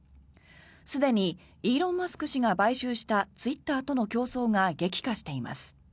すでにイーロン・マスク氏が買収したツイッターとの競争が激化しています。